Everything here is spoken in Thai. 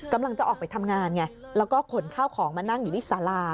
กำลังจะออกไปทำงานไงแล้วก็ขนข้าวของมานั่งอยู่ที่สารา